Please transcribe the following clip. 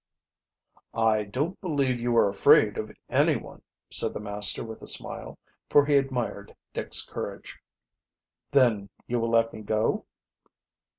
"I don't believe you are afraid of anyone," said the master with a smile, for he admired Dick's courage. "Then you will let me go?"